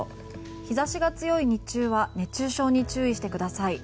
日差しが強い日中は熱中症に注意してください。